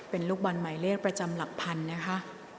เป็นลูกบอลหมายเลขประจำหลักพันธุ์นะคะ